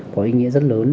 có ý nghĩa rất lớn